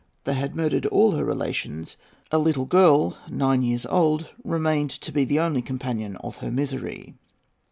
They had murdered all her relations. A little girl, nine years old, remained to be the only companion of her misery."